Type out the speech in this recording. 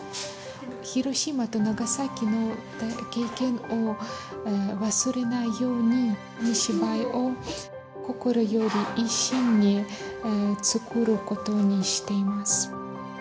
広島と長崎の経験を忘れないように、紙芝居を心より、一心に作ることにしています。